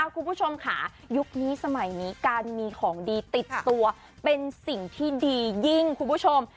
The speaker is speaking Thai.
คุณผู้ชมค่ะยุคนี้สมัยนี้การมีของดีติดตัวเป็นสิ่งที่ดียิ่งคุณผู้ชม